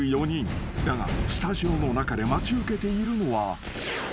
［だがスタジオの中で待ち受けているのは］